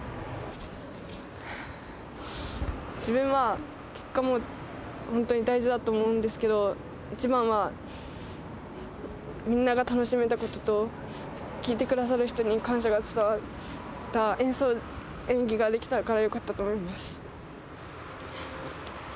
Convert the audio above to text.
自分は結果も本当に大事だと思うんですけど、一番はみんなが楽しめたことと、聴いてくださる人にも感謝が伝わった演奏、演技ができたから、よかったと思います。